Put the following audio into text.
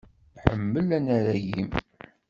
Ḥemmel anarag-im!